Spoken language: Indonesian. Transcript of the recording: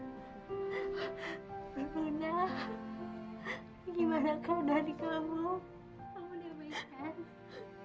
ini rani dia mau ketemu sama luna